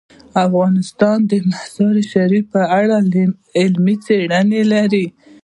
افغانستان د مزارشریف په اړه علمي څېړنې لري.